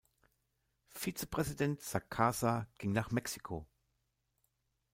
Vizepräsident Sacasa ging nach Mexiko.